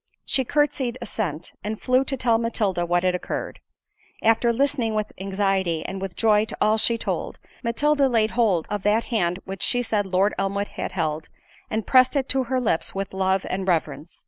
She curtsied assent, and flew to tell Matilda what had occurred. After listening with anxiety and with joy to all she told, Matilda laid hold of that hand which she said Lord Elmwood had held, and pressed it to her lips with love and reverence.